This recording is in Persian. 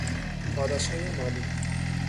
پاداشهای مالی